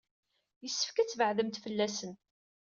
Yessefk ad tbeɛɛdemt fell-asen.